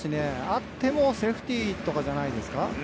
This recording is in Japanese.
あってもセーフティーとかじゃないですか。